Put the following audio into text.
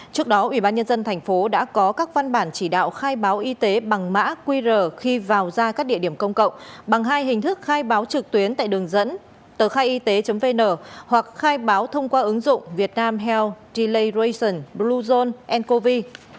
trước đó ủy ban nhân dân thành phố đã có các văn bản chỉ đạo khai báo y tế bằng mã qr khi vào ra các địa điểm công cộng bằng hai hình thức khai báo trực tuyến tại đường dẫn tờ khaiyt vn hoặc khai báo thông qua ứng dụng vietnam health delay ration blue zone and covid